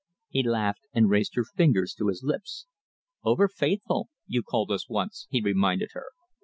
He laughed and raised her fingers to his lips. "Over faithful, you called us once," he reminded her.